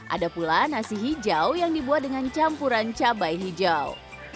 ada pula nasi hijau yang dibuat dengan campuran cabai hijau